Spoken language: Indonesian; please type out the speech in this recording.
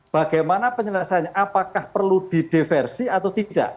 bagaimana penyelesaiannya apakah perlu di diversi atau tidak